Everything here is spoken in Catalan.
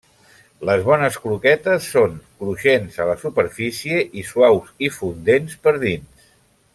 Les bones croquetes són cruixents a la superfície i suaus i fundents per dins.